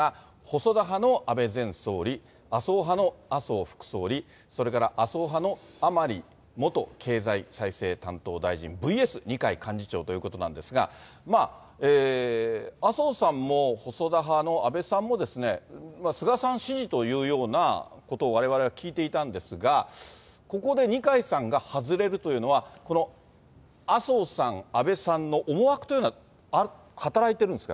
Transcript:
細田派の安倍前総理、麻生派の麻生副総理、それから麻生派の甘利元経済再生担当大臣ＶＳ二階幹事長ということなんですが、麻生さんも、細田派の安倍さんもですね、菅さん支持というようなことを、われわれ聞いていたんですが、ここで二階さんが外れるというのは、この麻生さん、安倍さんの思惑というのは働いてるんですか？